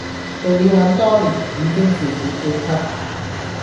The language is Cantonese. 做了很多年，已經是主管級